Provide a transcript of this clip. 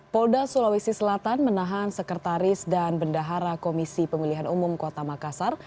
polda sulawesi selatan menahan sekretaris dan bendahara komisi pemilihan umum kota makassar